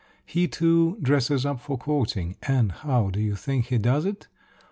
He, too, dresses up for courting; and how do you think he does it?